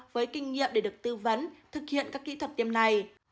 với kinh nghiệm để được tư vấn thực hiện các kỹ thuật tiêm này